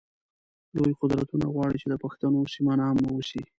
لوی قدرتونه غواړی چی د پښتنو سیمه ناامنه اوسی